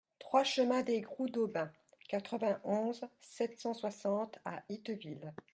trois chemin des Grous d'Aubin, quatre-vingt-onze, sept cent soixante à Itteville